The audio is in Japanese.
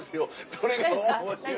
それが面白い。